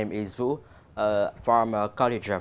một s seconds